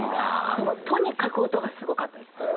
もうとにかく音がすごかったです。